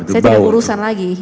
saya tidak urusan lagi